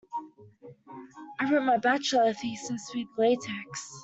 I wrote my bachelor thesis with latex.